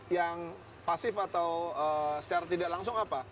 yang pasif atau secara tidak langsung apa